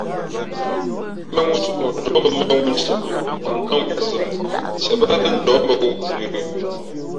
Mᾱŋū soʼnjαά mbᾱ mά mᾱŋū nthimbhi kwα̌ ntám ngǔʼnzᾱ ntiep báá tά njαᾱ mbᾱ wū yə̌.